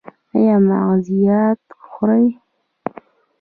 ایا مغزيات خورئ؟